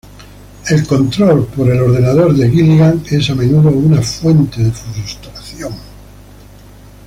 El control por la computadora de Gilligan es a menudo una fuente de frustración.